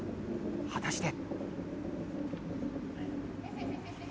果たして。